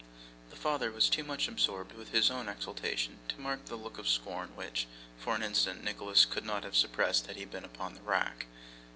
The father was too much absorbed with his own exultation to mark the look of scorn which, for an instant, Nicholas could not have suppressed had he been upon the rack.